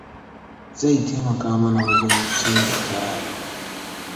Zai taimaka mana wajen canza taya.